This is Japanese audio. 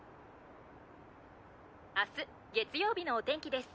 明日月曜日のお天気です。